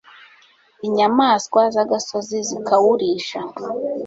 inyamaswa z'agasozi zikawurisha